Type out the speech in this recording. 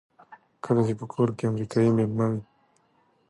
کله چې په کور کې امریکایی مېلمه وي.